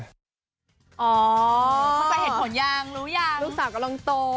เข้าใจเหตุผลยังรู้ยังลูกสาวกำลังโต